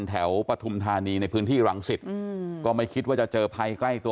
ปฐุมธานีในพื้นที่รังสิตก็ไม่คิดว่าจะเจอภัยใกล้ตัว